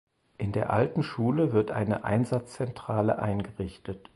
In der alten Schule wird eine Einsatzzentrale eingerichtet.